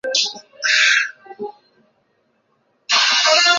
同时他玛使长子名份得以延续。